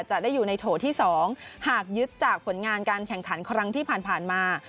จะได้อยู่ในโถที่๒หากยึดจากผลงานการแข่งขันครั้งที่ผ่านมา